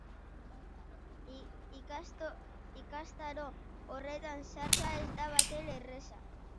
Ikastaro horretan sartzea ez da batere erraza.